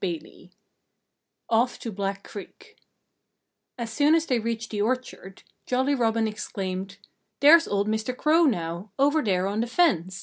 XXI OFF TO BLACK CREEK As soon as they reached the orchard, Jolly Robin exclaimed, "There's old Mr. Crow now, over there on the fence!